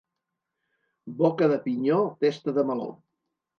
Boca de pinyó, testa de meló.